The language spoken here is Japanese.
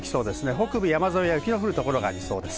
北部山沿いでは雪の降る所がありそうです。